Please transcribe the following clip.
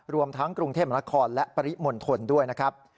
รวมทั้งกรุงเทพมนครและปริมณฑลด้วยนะครับ